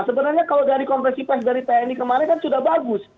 sebenarnya kalau dari konversi pers dari tni kemarin kan sudah bagus